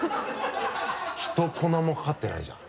ひと粉もかかってないじゃん。